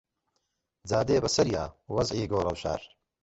جا دێ بەسەریا وەزعی گۆڕەوشار